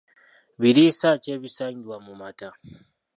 Biriisa ki ebisangibwa mu mata?